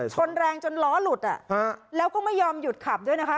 ชนแรงจนล้อหลุดแล้วก็ไม่ยอมหยุดขับด้วยนะคะ